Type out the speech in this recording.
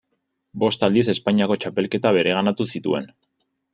Bost aldiz Espainiako txapelketa bereganatu zituen.